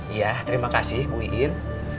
iya terima kasih bu iin